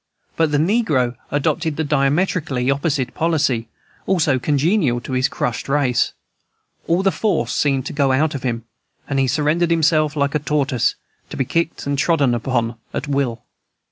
But the negro adopted the diametrically opposite policy, also congenial to his crushed race, all the force seemed to go out of him, and he surrendered himself like a tortoise to be kicked and trodden upon at their will.